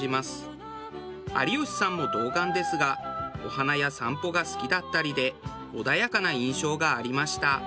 有吉さんも童顔ですがお花や散歩が好きだったりで穏やかな印象がありました。